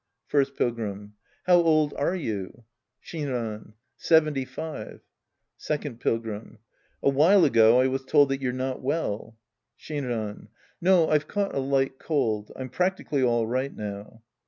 First Pilgrim. How old are you ? Shinran. Seventy five. Second Pilgrim. A while ago I was told that you're not well. Shinran. No, I've caught a light cold. I'm prac tically all right now.